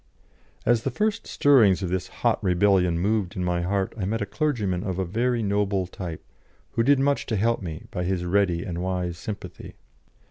As the first stirrings of this hot rebellion moved in my heart I met a clergyman of a very noble type, who did much to help me by his ready and wise sympathy.